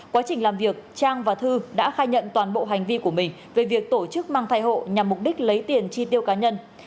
quá trình làm việc trang và thư đã khai nhận toàn bộ hành vi của mình về việc tổ chức mang thai hộ nhằm mục đích lấy tiền chi tiêu cá nhân